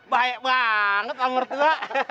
baik banget lah mertua